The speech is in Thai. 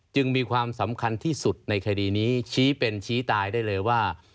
จึงมีความสำคัญที่สุดในคดีนี้ชี้เป็นชี้ตายได้เลยว่า